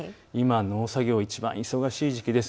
農作業、今、いちばん忙しい時期です。